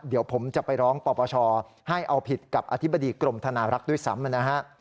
เดี๋ยวผมจะไปร้องปปชให้เอาผิดกับอธิบดีกรมธนารักษ์ด้วยซ้ำนะฮะ